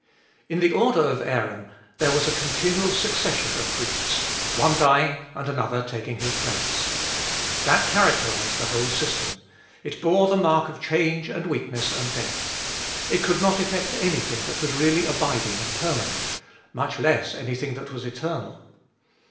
IN the order of Aaron there was a continual succession of priests, one dying and another taking his place. That charac terised the whole system ; it bore the mark of change and weakness and death. It could not effect anything that was really abiding and permanent, much less anything that was eternal.